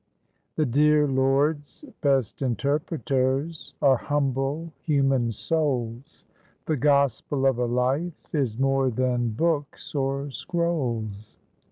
"The dear Lord's best interpreters Are humble human souls; The gospel of a life Is more than books or scrolls."